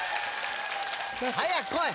早く来い。